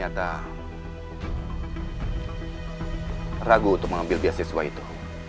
kalau gitu lu harus ambil beasiswa ini